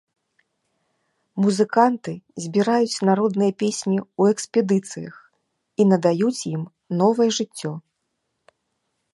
Музыканты збіраюць народныя песні ў экспедыцыях і надаюць ім новае жыццё.